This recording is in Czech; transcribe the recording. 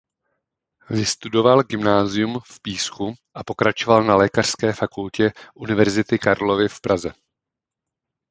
Vystudoval gymnázium v Písku a pokračoval na Lékařské fakultě Univerzity Karlovy v Praze.